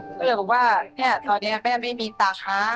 อยากจะบอกว่าแน่ตอนนี้แม่ไม่มีตังค์นะ